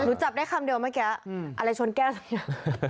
อยู่กับได้คำเดียวเมื่อกี้อะไรชนแก้วทำมัน